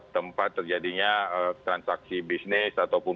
tempat terjadinya transaksi bisnis ataupun